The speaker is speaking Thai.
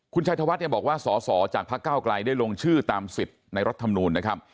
คุณชัยธวัฒน์เนี่ยบอกว่าสอสอจากพระเก้าไกลได้ลงชื่อตามสิทธิ์ในรัฐธรรมนูลนะครับ